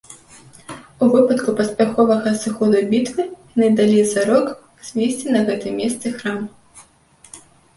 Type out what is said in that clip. У выпадку паспяховага зыходу бітвы яны далі зарок узвесці на гэтым месцы храм.